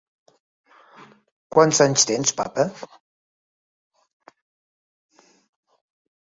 Quants anys tens, papa?